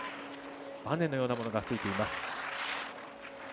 バネのようなものがついています。